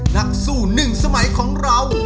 นักสู้หนึ่งสมัยของเรา